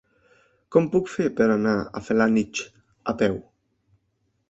Com ho puc fer per anar a Felanitx a peu?